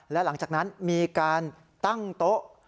และหลังจากนั้นมีการตั้งโต๊ะ